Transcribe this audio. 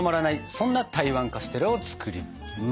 そんな台湾カステラを作ります。